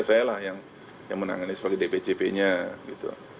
saya lah yang menangani sebagai dpcp nya gitu